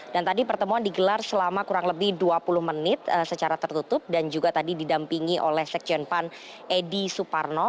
dan tadi pertemuan digelar selama kurang lebih dua puluh menit secara tertutup dan juga tadi didampingi oleh seksyen pan edy suparno